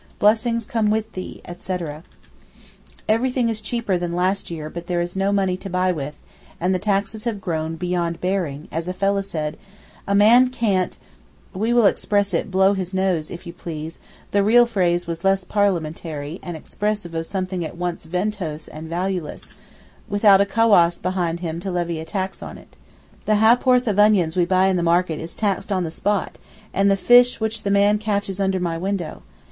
'Blessings come with thee,' etc. Everything is cheaper than last year, but there is no money to buy with, and the taxes have grown beyond bearing, as a fellah said, 'a man can't (we will express it "blow his nose," if you please; the real phrase was less parliamentary, and expressive of something at once ventose and valueless) without a cawass behind him to levy a tax on it.' The ha'porth of onions we buy in the market is taxed on the spot, and the fish which the man catches under my window.